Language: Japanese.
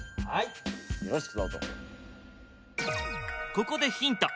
ここでヒント。